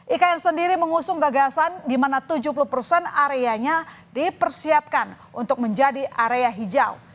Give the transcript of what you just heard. ikn sendiri mengusung gagasan di mana tujuh puluh persen areanya dipersiapkan untuk menjadi area hijau